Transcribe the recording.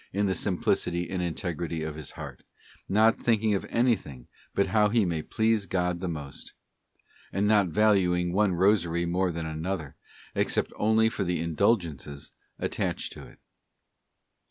° 297 in the simplicity and integrity of his heart, not thinking of anything but how he may please God the most; and not valuing one rosary more than another, except only for the Indulgences attached to it.